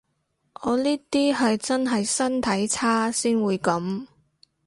我呢啲係真係身體差先會噉